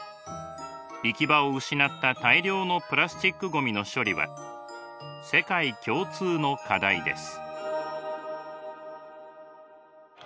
行き場を失った大量のプラスチックごみの処理は世界共通の課題です。